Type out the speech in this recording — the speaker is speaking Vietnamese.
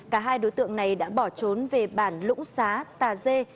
cả hai đối tượng này đã bỏ trốn về bản lũng xá tà dê